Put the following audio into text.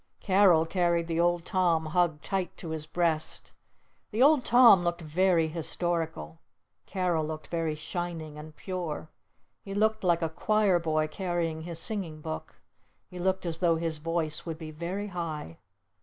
Carol carried the Old Tom hugged tight to his breast. The Old Tom looked very historical. Carol looked very shining and pure. He looked like a choir boy carrying his singing book. He looked as though his voice would be very high.